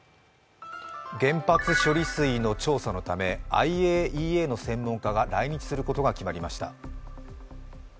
原発処理水の調査のためＩＡＥＡの専門家が来日することが決まりました。